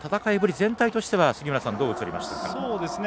全体としてはどう映りましたか？